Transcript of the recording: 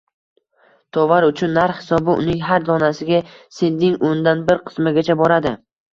tovar uchun narx hisobi uning har donasiga sentning o‘ndan bir qismigacha boradi.